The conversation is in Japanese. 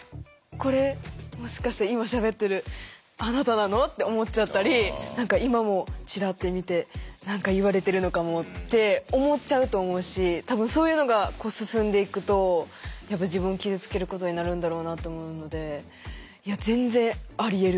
「これもしかしたら今しゃべってるあなたなの？」って思っちゃったり今もチラッて見て何か言われてるのかもって思っちゃうと思うし多分そういうのが進んでいくとやっぱり自分を傷つけることになるんだろうなと思うのでいや全然ありえる。